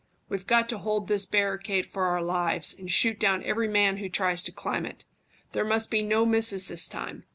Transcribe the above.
We've got to hold this barricade for our lives, and shoot down every man who tries to climb it. There must be no misses this time.